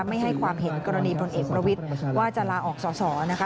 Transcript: ไม่ให้ความเห็นกรณีพลเอกประวิทย์ว่าจะลาออกสอสอนะคะ